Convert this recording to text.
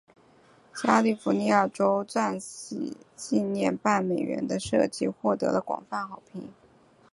加利福尼亚州钻禧纪念半美元的设计获得广泛好评。